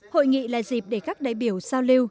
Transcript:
hội nghị là dịp để các đại biểu giao lưu